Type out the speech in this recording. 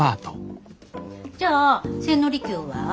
じゃあ千利休は？